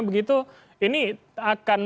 begitu ini akan